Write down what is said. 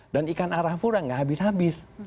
dan ikan arafura tidak habis habis